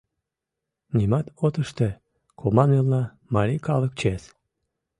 — Нимат от ыште, команмелна — марий калык чес.